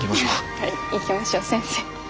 はい行きましょう先生。